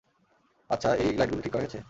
আচ্ছা, এই লাইটগুলো ঠিক করা গেছে?